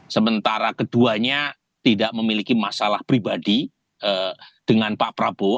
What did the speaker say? sementara keduanya tidak memiliki masalah pribadi dengan pak prabowo